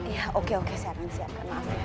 iya oke oke saya rancang maaf ya